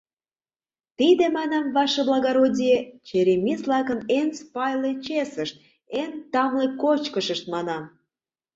— Тиде, манам, ваше благородие, черемис-влакын эн спайле чесышт, эн тамле кочкышышт, манам.